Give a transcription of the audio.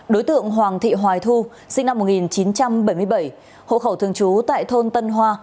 đối tượng hoàng thị hoài thu sinh năm một nghìn chín trăm bảy mươi bảy hộ khẩu thường trú tại thôn tân hoa